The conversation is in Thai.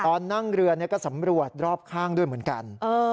ตอนนั่งเรือก็สำรวจรอบข้างด้วยเหมือนกัน